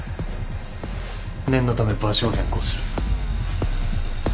念のため場所を変更する。